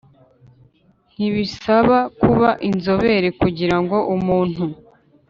ntibisaba kuba inzobere kugira ngo umuntu